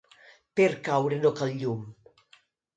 Per caure, no cal llum.